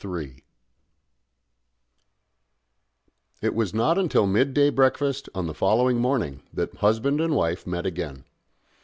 III It was not until mid day breakfast on the following morning that husband and wife met again.